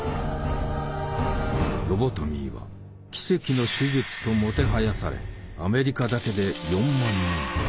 ロボトミーは「奇跡の手術」ともてはやされアメリカだけで４万人。